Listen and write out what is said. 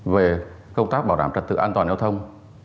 về công tác bảo đảm trật tự an toàn giao thông